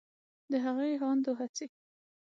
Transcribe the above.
د هغې هاند و هڅې